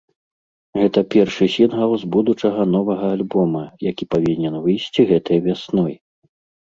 Гэта першы сінгл з будучага новага альбома, які павінен выйсці гэтай вясной.